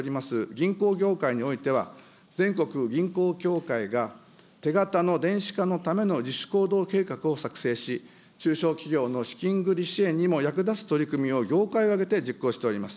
銀行業界においては、全国銀行協会が手形の電子化のための自主行動計画を作成し、中小企業の資金繰り支援にも役立つ取り組みを業界挙げて実行しております。